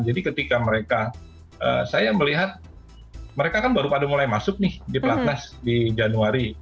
jadi ketika mereka saya melihat mereka kan baru pada mulai masuk nih di platnas di januari